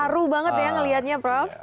seru banget ya ngeliatnya prof